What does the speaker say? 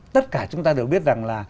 tất cả chúng ta đều biết rằng là